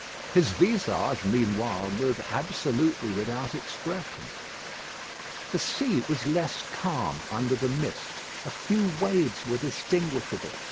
His visage, meanwhile, was absolutely without expression. The sea was less calm under the mist. A few waves were distinguishable.